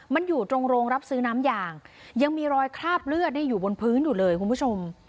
มันอยู่ตรงโรงรับซื้อน้ำยางยังมีรอยคราบเลือดอยู่บนพื้นอยู่เลยคุณผู้ชม